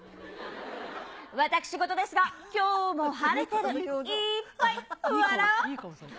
私事ですが、きょうも晴れてる、いっぱい笑おう！